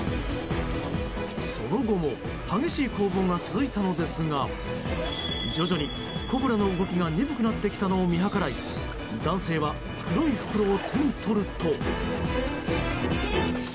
その後も激しい攻防が続いたのですが徐々にコブラの動きが鈍くなってきたのを見計らい男性は黒い袋を手に取ると。